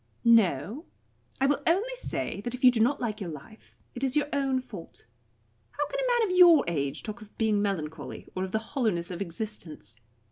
"No. I will only say that if you do not like your life, it is your own fault. How can a man of your age talk of being melancholy, or of the hollowness of existence?